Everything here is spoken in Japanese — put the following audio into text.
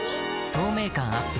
透明感アップ